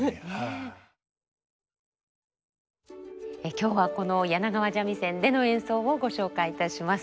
今日はこの柳川三味線での演奏をご紹介いたします。